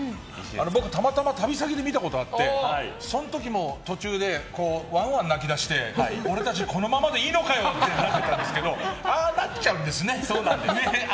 僕、たまたま旅先で見たことあってその時も、途中でワンワン泣き出して俺たちこのままでいいのかよ！となってたんですけどそうなんです。